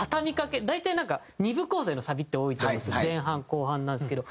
大体なんか２部構成のサビって多いと思うんですよ前半後半なんですけど。